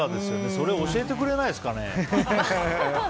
それを教えてくれないですかね。